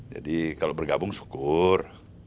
jadi kalau bergabung syukur